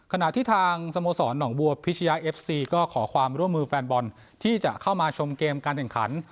ขณะที่ทางสโมสรหนองบัวพิชยาเอฟซีก็ขอความร่วมมือแฟนบอลที่จะเข้ามาชมเกมการแข่งขัน